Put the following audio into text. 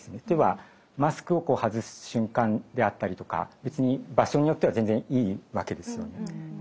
例えばマスクを外す瞬間であったりとか別に場所によっては全然いいわけですよね。